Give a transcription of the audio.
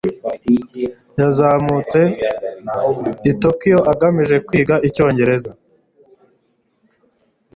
yazamutse i tokiyo agamije kwiga icyongereza